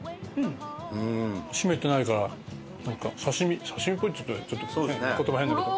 締めてないから刺し身刺し身っぽいっつったらちょっと言葉変だけど。